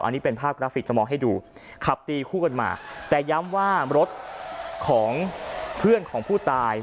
อันนี้เป็นภาพกราฟิกจะมองให้ดูขับตีคู่กันมาแต่ย้ำว่ารถของเพื่อนของผู้ตาย